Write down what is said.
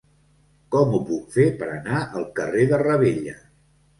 Com ho puc fer per anar al carrer de Ravella?